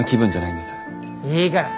いいから。